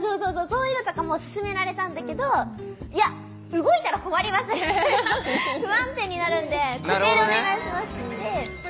そういうのとかも勧められたんだけどいや動いたら困りますみたいな不安定になるんで固定でお願いしますって。